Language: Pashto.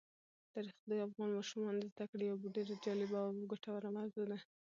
تاریخ د افغان ماشومانو د زده کړې یوه ډېره جالبه او ګټوره موضوع ده.